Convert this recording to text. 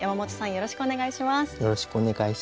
よろしくお願いします。